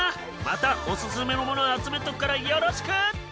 またオススメのものを集めとくからよろしく！